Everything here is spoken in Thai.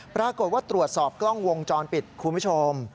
ปรากฏว่าตรวจสอบกล้องวงจรปิดคุณผู้ชม